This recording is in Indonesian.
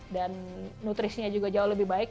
dan nutrisinya juga jauh lebih baik